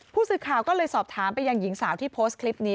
ผู้สื่อข่าวก็เลยสอบถามไปยังหญิงสาวที่โพสต์คลิปนี้